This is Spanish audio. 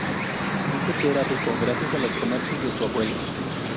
Dice que era rico gracias a los comercios de su abuelo.